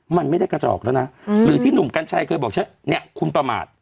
มันไม่ได้กระจอกแล้วนะหรือที่หนุ่มกัญชัยเคยบอกเนี่ยคุณประมาท